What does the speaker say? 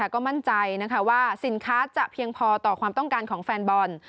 ก็มั่นใจว่าสินค้าจะเพียงพอต่อความต้องการของแฟนบอล